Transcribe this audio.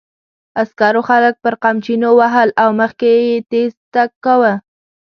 عسکرو خلک پر قمچینو وهل او مخکې یې تېز تګ کاوه.